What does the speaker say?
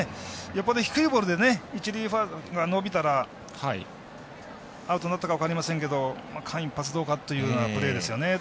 よっぽど低いボールで一塁側で伸びたらアウトになったか分かりませんけど間一髪かというところですよね。